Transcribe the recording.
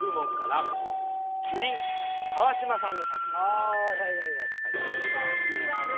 ああはいはいはい。